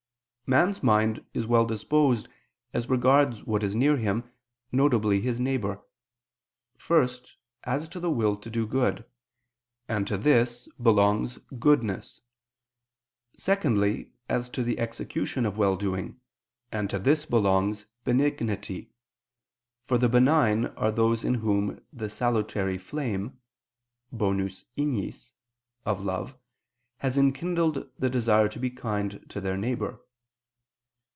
Man's mind is well disposed as regards what is near him, viz. his neighbor, first, as to the will to do good; and to this belongs goodness. Secondly, as to the execution of well doing; and to this belongs benignity, for the benign are those in whom the salutary flame (bonus ignis) of love has enkindled the desire to be kind to their neighbor.